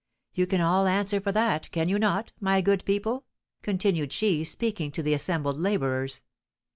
You can all answer for that, can you not, my good people?" continued she, speaking to the assembled labourers.